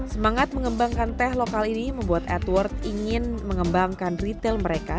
semangat mengembangkan teh lokal ini membuat edward ingin mengembangkan retail mereka